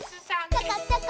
ちょこちょこ。